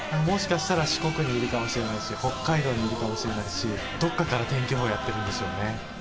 もしかしたら四国にいるかもしれないし北海道にいるかもしれないしどっかから天気予報やってるんでしょうね。